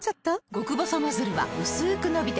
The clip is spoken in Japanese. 極細ノズルはうすく伸びて